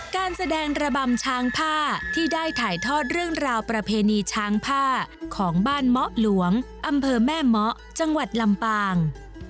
การแสดงระบำช้างผ้าที่ได้ถ่ายทอดเรื่องราวประเพณีช้างผ้าของบ้านเมาะหลวงอำเภอแม่เมาะจังหวัดลำปาง